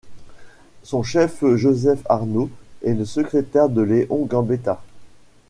Son fils Joseph Arnaud est le secrétaire de Léon Gambetta.